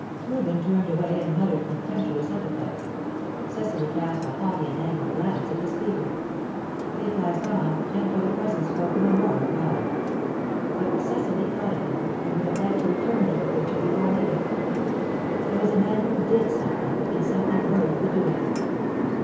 Reuben turned away and muttered contemptuous epithets; Cecily cast a haughty and angry glance at the speaker. They passed on, and for the present spoke no more of Mallard; but Cecily thought of him, and would have liked to return to the picture before leaving. There was a man who did something, and something worth the doing.